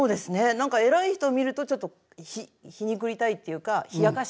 何か偉い人を見るとちょっと皮肉りたいっていうか冷やかしたい。